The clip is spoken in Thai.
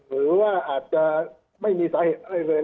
หรือว่าอาจจะไม่มีสาเหตุอะไรเลย